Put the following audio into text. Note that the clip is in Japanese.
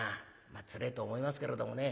まあつれえと思いますけれどもね